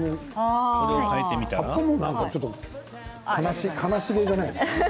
葉っぱもなんか悲しげじゃないですか。